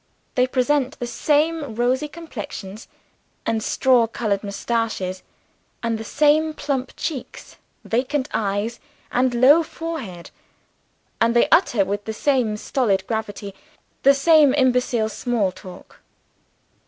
They present the same rosy complexions and straw colored mustachios, the same plump cheeks, vacant eyes and low forehead; and they utter, with the same stolid gravity, the same imbecile small talk.